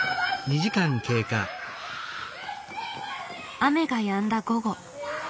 雨がやんだ午後。